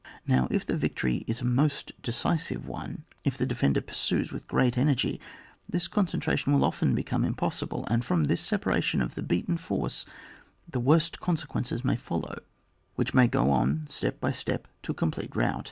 Now if the victory is a most decisive one, if the defender pursues with great energy, this concentration will often become impossible, and from this separa tion of the beaten force the worst conse* quences may follow, which may go on step by step to a complete rout.